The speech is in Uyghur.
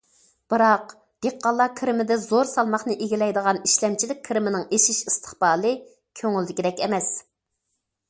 بىراق، دېھقانلار كىرىمىدە زور سالماقنى ئىگىلەيدىغان ئىشلەمچىلىك كىرىمىنىڭ ئېشىش ئىستىقبالى كۆڭۈلدىكىدەك ئەمەس.